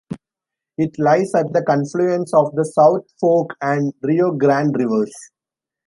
It lies at the confluence of the South Fork and Rio Grande rivers.